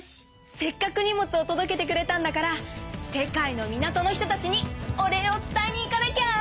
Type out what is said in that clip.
せっかく荷物をとどけてくれたんだから世界の港の人たちにお礼を伝えにいかなきゃ！